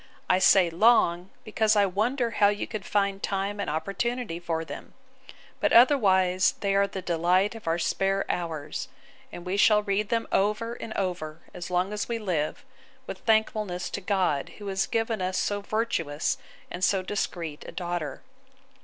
I say long, because I wonder how you could find time and opportunity for them: but otherwise they are the delight of our spare hours; and we shall read them over and over, as long as we live, with thankfulness to God, who has given us so virtuous and so discreet a daughter.